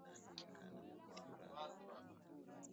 utapewa ruhusa ya kutumia masafa ya redio yaliyochaguliwa